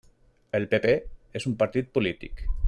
El PP és un partit polític.